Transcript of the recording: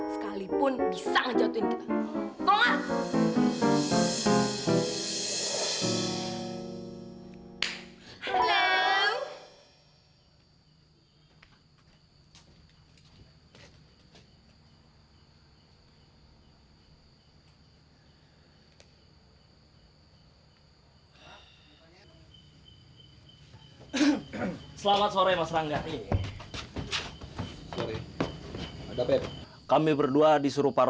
sekalipun bisa ngejatuhin kita